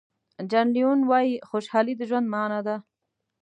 جان لینون وایي خوشحالي د ژوند معنا ده.